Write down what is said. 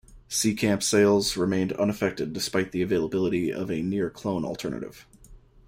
Seecamp sales remained unaffected despite the availability of a near clone alternative.